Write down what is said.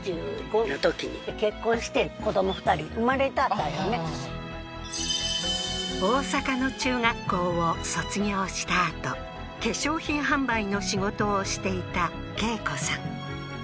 大阪にでそれから大阪の中学校を卒業したあと化粧品販売の仕事をしていた恵子さん